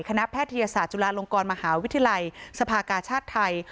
แพทยศาสตร์จุฬาลงกรมหาวิทยาลัยสภากาชาติไทย